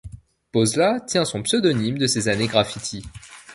Pozla tient son pseudonyme de ses années graffiti.